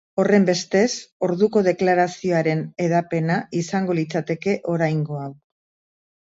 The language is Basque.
Horrenbestez, orduko deklarazioaren hedapena izango litzateke oraingo hau.